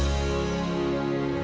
selama satu jam